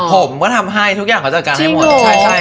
ผมก็ทำให้ทุกอย่างเขาจัดการให้หมด